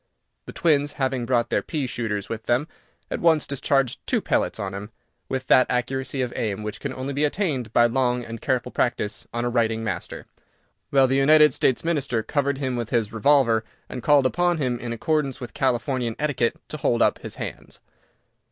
The twins, having brought their pea shooters with them, at once discharged two pellets on him, with that accuracy of aim which can only be attained by long and careful practice on a writing master, while the United States Minister covered him with his revolver, and called upon him, in accordance with Californian etiquette, to hold up his hands!